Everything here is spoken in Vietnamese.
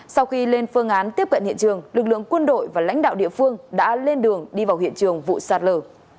sau khi lên phương án tiếp cận hiện trường lực lượng quân đội và lãnh đạo địa phương đã lên đường đi vào hiện trường vụ sạt lở